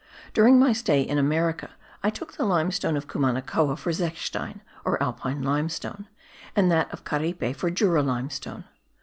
During my stay in America I took the limestone of Cumanacoa for zechstein or Alpine limestone, and that of Caripe for Jura limestone.